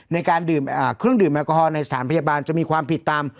ในการดื่มเครื่องดื่มแอลกอฮอลในสถานพยาบาลจะมีความผิดตาม